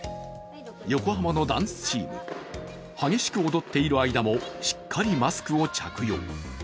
横浜のダンスチーム、激しく踊っている間もしっかりマスクを着用。